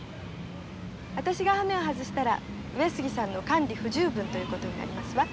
私がはめを外したら上杉さんの管理不十分ということになりますわ。